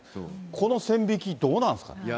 この線引き、どうなんですか。